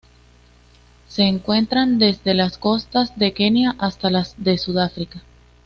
Se encuentran desde las costas de Kenia hasta las de Sudáfrica.